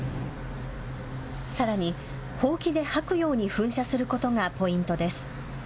さらに、ほうきで掃くように噴射することがポイントです。